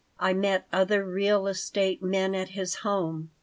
I met other real estate men at his home.